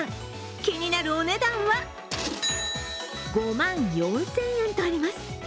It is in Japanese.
気になるお値段は５万４０００円とあります。